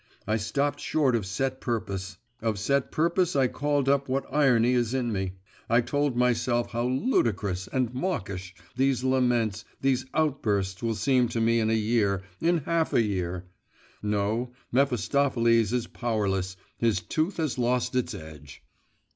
I stopped short of set purpose, of set purpose I called up what irony is in me, I told myself how ludicrous and mawkish these laments, these outbursts will seem to me in a year, in half a year.… No, Mephistopheles is powerless, his tooth has lost its edge.